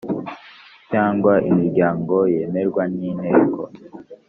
cyangwa imiryango yemerwa n inteko